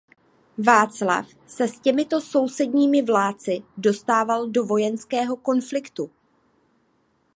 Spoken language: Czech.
Václav se s těmito sousedními vládci dostával do vojenského konfliktu.